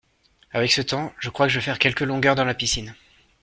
Avec ce temps, je crois que je vais faire quelques longueurs dans la piscine.